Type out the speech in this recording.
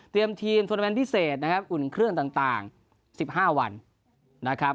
ทีมโทรเมนต์พิเศษนะครับอุ่นเครื่องต่าง๑๕วันนะครับ